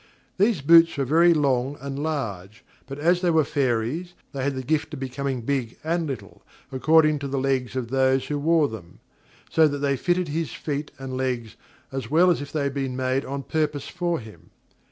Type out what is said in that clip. The boots were very long and large; but as they were Fairies, they had the gift of becoming big and little, according to the legs of those who wore them; so that they fitted his feet and legs as well as if they had been made on purpose for him.